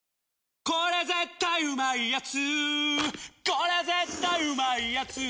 これ絶対うまいやつ」